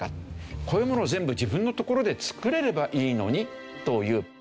こういうものを全部自分のところで作れればいいのにという。